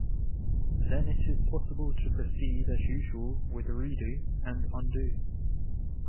Then it is possible to proceed as usual with Redo and Undo.